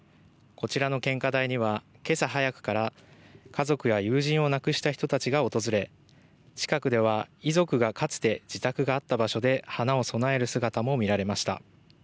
こちらの献花台にはけさ早くから家族や友人を亡くした人たちが訪れ近くでは、遺族がかつて自宅があった場所で花を供える姿も見られました。